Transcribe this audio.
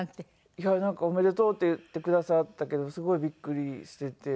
いやなんか「おめでとう」って言ってくださったけどすごいびっくりしていて。